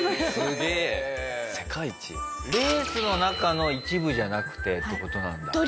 レースの中の一部じゃなくてって事なんだ。